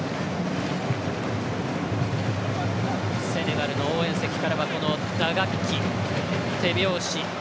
セネガルの応援席からは打楽器、手拍子。